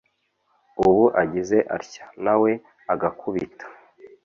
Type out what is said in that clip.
ubu agize atya nawe agakubita